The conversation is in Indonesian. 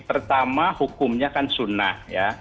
pertama hukumnya kan sunnah